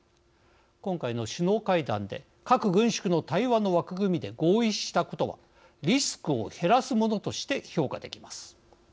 今回の首脳会談で核軍縮の対話の枠組みで合意したことはリスクを減らすものとして評価できます。